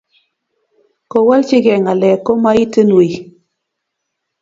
Kowaljige ngalek komaitin wiy